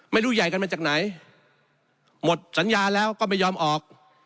ไม่รู้ใหญ่กันมาจากไหนหมดสัญญาแล้วก็ไม่ยอมออก